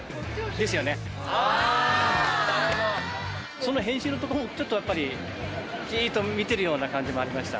その変身のところもちょっと、やっぱりジーッと見てるような感じもありました。